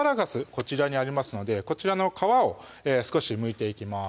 こちらにありますのでこちらの皮を少しむいていきます